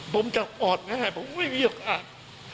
ผมจะออดแม่ผมไม่มีโอกาส